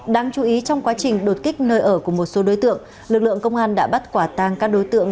đáng chú ý trong quá trình đột kích nơi ở của một số đối tượng lực lượng công an đã bắt quả tang các đối tượng